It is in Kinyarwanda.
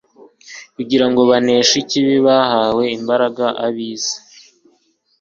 Kugira ngo baneshe ikibi, bahawe imbaraga ab'isi,